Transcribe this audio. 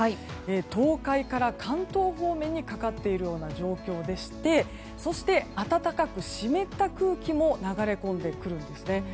東海から関東方面にかかっているような状況でしてそして暖かく湿った空気も流れ込んでくるんですね。